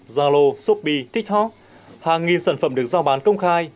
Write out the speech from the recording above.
zalo shopee tiktok hàng nghìn sản phẩm được giao bán công khai